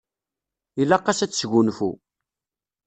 Ilaq-as ad tesgunfu.